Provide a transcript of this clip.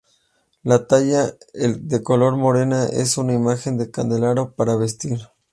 La talla, de color moreno, es una imagen de candelero para vestir.